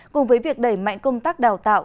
cùng với việc đẩy mạnh công tác đào tạo